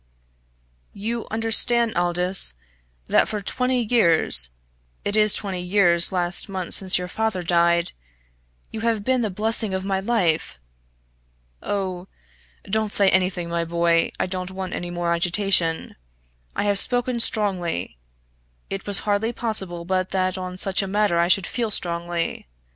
"You understand, Aldous, that for twenty years it is twenty years last month since your father died you have been the blessing of my life? Oh! don't say anything, my boy; I don't want any more agitation. I have spoken strongly; it was hardly possible but that on such a matter I should feel strongly.